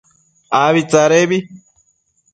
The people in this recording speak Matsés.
Abi tsadebi